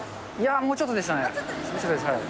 もうちょっとでしたか。